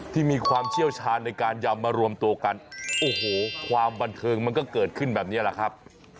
มีความเชี่ยวชาญในการยำมารวมตัวกันโอ้โหความบันเทิงมันก็เกิดขึ้นแบบนี้แหละครับ